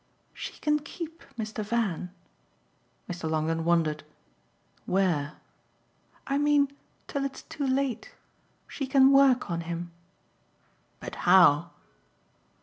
"She can KEEP Mr. Van." Mr. Longdon wondered. "Where?" "I mean till it's too late. She can work on him." "But how?"